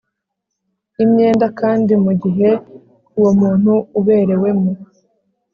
Imyenda kandi mu gihe uwo muntu uberewemo